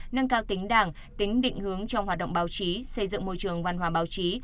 nâng cao tính đảng tính định hướng trong hoạt động báo chí xây dựng môi trường văn hóa báo chí